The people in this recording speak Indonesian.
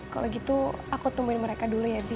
kalau gitu aku temuin mereka dulu ya bi